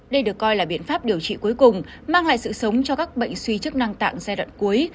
đây được coi là biện pháp điều trị cuối cùng mang lại sự sống cho các bệnh suy chức năng tạng giai đoạn cuối